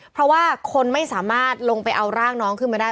เพราะว่าคนไม่สามารถลงไปเอาร่างน้องขึ้นมาได้